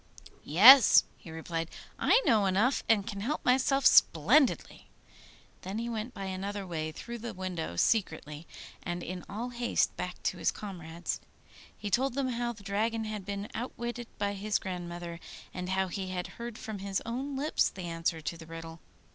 'Yes,' he replied, 'I know enough, and can help myself splendidly.' Then he went by another way through the window secretly, and in all haste back to his comrades. He told them how the Dragon had been outwitted by his grandmother, and how he had heard from his own lips the answer to the riddle.